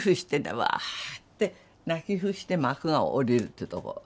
「わ」って泣き伏して幕が下りるっていうとこ。